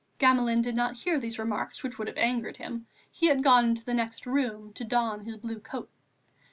Gamelin did not hear these remarks, which would have angered him; he had gone into the next room to don his blue coat.